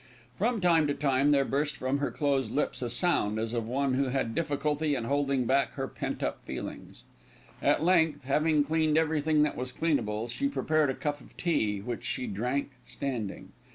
From time to time there burst from her closed lips a sound as of one who has difficulty in holding back her pent up feelings. At length, having cleaned everything that was cleanable, she prepared a cup of tea, which she drank standing.